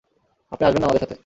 আপনি আসবেন না আমাদের সাথে?